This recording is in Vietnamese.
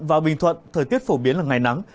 vào bình thuận thời tiết phổ biến là ngày nắng